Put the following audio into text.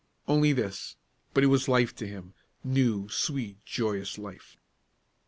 Only this; but it was life to him, new, sweet, joyous life.